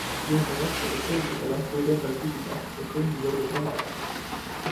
Jõudnud asjades selgusele, võid endalt küsida, kas õnn võrdub rahaga.